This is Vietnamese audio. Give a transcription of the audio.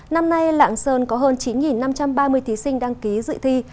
năm nay lạng sơn có hơn chín năm trăm ba mươi thí sinh đăng ký dự thi